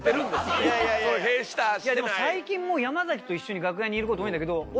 でも最近山崎と一緒に楽屋にいること多いんだけど。